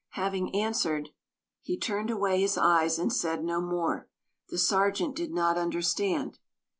Having answered, he turned away his eyes and said no more. The sergeant did not understand.